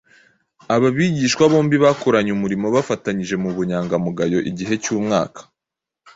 Aba bigishwa bombi bakoranye umurimo bafatanyije mu bunyangamugayo igihe cy’umwaka,